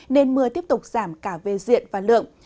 nên mưa tiếp tục giảm cả về diện và lượng